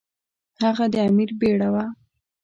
هغه د امیر بیړه وه.